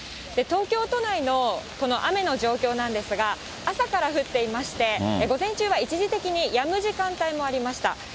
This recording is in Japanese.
東京都内のこの雨の状況なんですが、朝から降っていまして、午前中は一時的にやむ時間帯もありました。